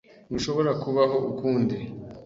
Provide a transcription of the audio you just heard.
Ntushobora kubaho ukundi.